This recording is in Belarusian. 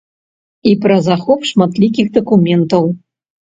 І пра захоп шматлікіх дакументаў.